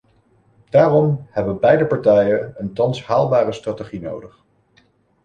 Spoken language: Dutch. Daarom hebben beide partijen een thans haalbare strategie nodig.